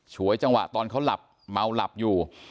ฉวยจังหวะตอนเขาหลับเมาหลับอยู่